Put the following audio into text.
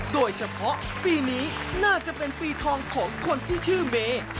โดยเฉพาะปีนี้น่าจะเป็นปีทองของคนที่ชื่อเมย์